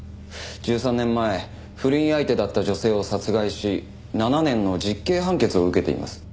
１３年前不倫相手だった女性を殺害し７年の実刑判決を受けています。